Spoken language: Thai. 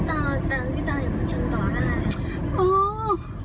แต่พี่ต้องอย่าเพิ่งชนต่อได้